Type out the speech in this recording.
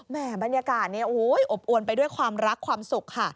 บรรยากาศเนี่ยโอ้โหอบอวนไปด้วยความรักความสุขค่ะ